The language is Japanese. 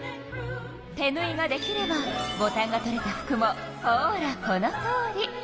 手ぬいができればボタンが取れた服もほらこのとおり！